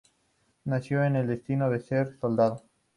Nació con el destino de ser un soldado.